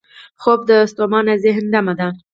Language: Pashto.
خوب د ستومانه ذهن دمه ده